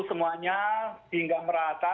semuanya sehingga merata